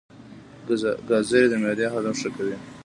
ګازرې د معدې هضم ښه کوي.